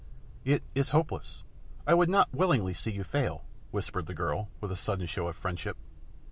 "It is hopeless, I would not willingly see you fail," whispered the girl, with a sudden show of friendship.